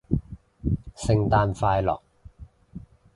聖誕快樂